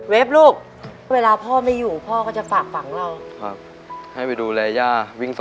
เวฟลูกเวลาพ่อไม่อยู่พ่อก็จะฝากฝังเรา